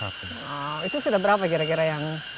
itu sudah berapa kira kira yang